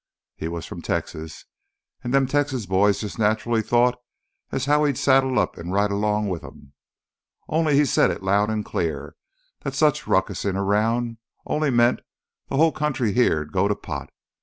He was from Texas an' them Texas boys jus' naturally thought as how he'd saddle up an' ride right 'long wi' 'em. Only he said it loud an' clear—that such ruckusin' round only meant th' whole country here'd go to pot.